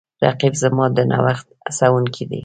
رقیب زما د نوښت هڅونکی دی